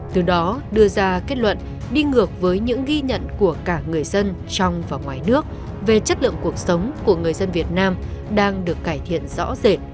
từ đó đưa ra kết luận đi ngược với những ghi nhận của cả người dân trong và ngoài nước về chất lượng cuộc sống của người dân việt nam đang được cải thiện rõ rệt